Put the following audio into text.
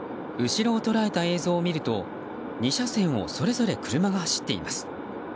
後ろを捉えた映像を見ると２車線をそれぞれ車が走っています。